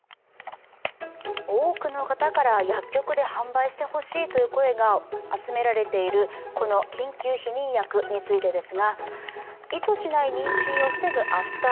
多くの方から薬局で販売してほしいという声が集められているこの緊急避妊薬についてです。